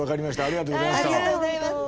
ありがとうございます。